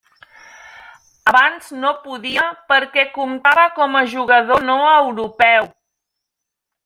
Abans no podia perquè comptava com a jugador no europeu.